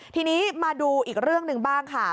ทีนี้มาดูอีกเรื่องหนึ่งบ้างค่ะ